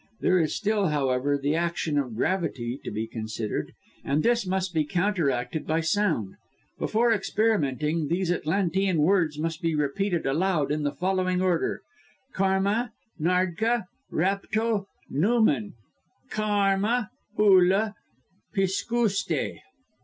There is still, however, the action of gravity to be considered, and this must be counteracted by sound. Before experimenting, these Atlantean words must be repeated aloud in the following order: Karma nardka rapto nooman K arma oola piskooskte.'"